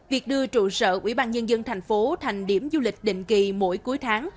việc đưa trụ sở ủy ban nhân dân thành phố thành điểm du lịch định kỳ mỗi cuối tháng